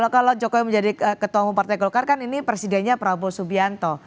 kalau jokowi menjadi ketua umum partai golkar kan ini presidennya prabowo subianto